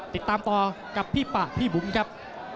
ติดตามต่อกับพี่ปะพี่บุ๋มครับ